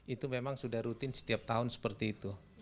itu memang sudah rutin setiap tahun seperti itu